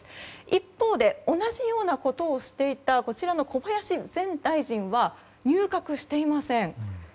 一方で同じようなことをしていた小林前大臣は入閣していません。